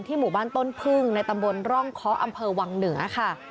หมู่บ้านต้นพึ่งในตำบลร่องเคาะอำเภอวังเหนือค่ะ